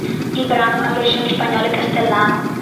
Il brano ha una versione in spagnolo e castellano.